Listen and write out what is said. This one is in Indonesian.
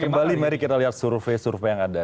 kembali mari kita lihat survei survei yang ada